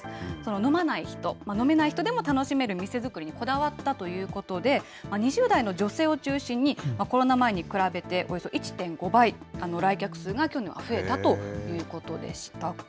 飲まない人、飲めない人でも楽しめる店づくりにこだわったということで、２０代の女性を中心に、コロナ前に比べておよそ１．５倍、来客数が去年は増えたということでした。